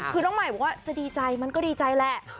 คือน้องใหม่บอกว่าจะดีใจมันก็ดีใจแหละ